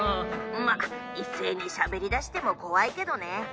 まあいっせいにしゃべりだしてもこわいけどね。